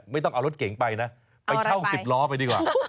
ไม่ต้องเอารถเก๋งไปนะไปเช่า๑๐ล้อไปดีกว่า